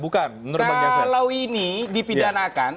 kalau ini dipidanakan